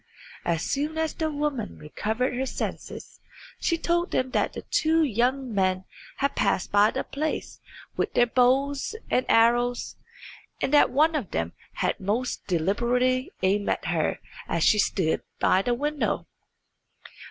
As soon as the woman recovered her senses she told them that two young men had passed by the place with their bows and arrows, and that one of them had most deliberately aimed at her as she stood by the window.